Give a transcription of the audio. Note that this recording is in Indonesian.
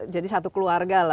jadi satu keluarga lah